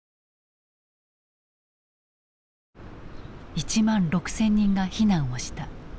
１万６，０００人が避難をした。